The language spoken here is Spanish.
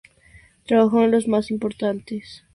Trabajó para los más importantes medios de prensa.